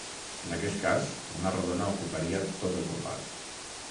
En aquest cas, una rodona ocuparia tot el compàs.